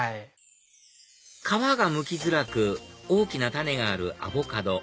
皮がむきづらく大きな種があるアボカド